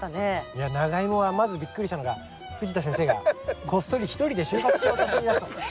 いやナガイモはまずびっくりしたのが藤田先生がこっそり一人で収穫しようとしていたと。